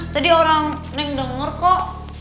tadi orang neng dengar kok